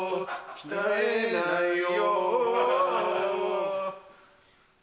鍛えないよ。